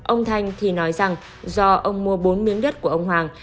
ông thanh thì nói rằng do ông mua bốn miếng đất của ông hoàng